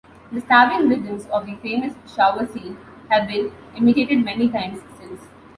The stabbing rhythms of the famous shower scene have been imitated many times since.